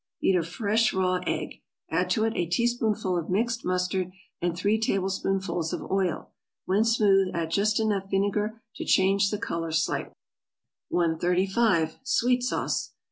= Beat a fresh raw egg, add to it a teaspoonful of mixed mustard, and three tablespoonfuls of oil; when smooth add just enough vinegar to change the color slightly. 135. =Sweet Sauce.